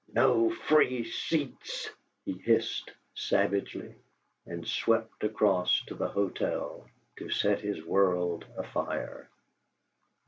"NO FREE SEATS!" he hissed, savagely; and swept across to the hotel to set his world afire.